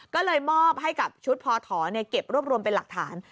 ก็เลยมอบให้กับชุดพอถอเก็บรวบรวมเป็นหลักฐาน